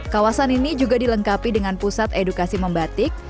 kawasan ini juga dilengkapi dengan pusat edukasi membatik